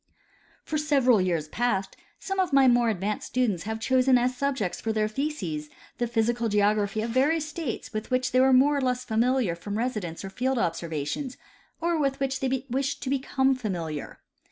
For several years past, some of my more advanced students have chosen as subjects for their theses the physical geography of various states with which they were more or less familiar irom residence or field observation, or with which they wished to become familiar.